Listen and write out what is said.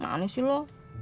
mak aneh sih lo